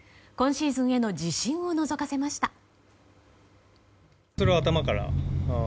今シーズンへの自信をのぞかせました。